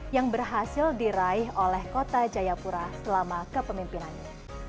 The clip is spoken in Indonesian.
yang berhasil diraih oleh kota jayapura selama kepemimpinannya